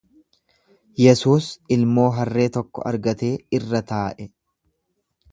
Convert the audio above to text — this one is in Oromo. Yesuus ilmoo harree tokko argatee irra ta’e.